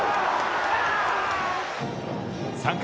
３回。